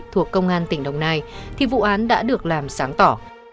thuộc công an tỉnh đồng nai thì vụ án đã được làm sáng tỏ